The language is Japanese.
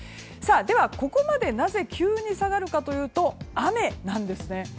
では、なぜここまで急に下がるかというと雨なんですね。